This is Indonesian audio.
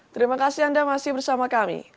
terima kasih anda masih bersama kami